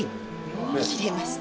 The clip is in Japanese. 切れますね。